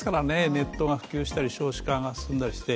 ネットが普及したり少子化が進んだりして。